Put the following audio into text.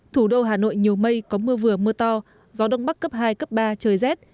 thủ đô hà nội nhiều mây có mưa vừa mưa to gió đông bắc cấp hai cấp ba trời rét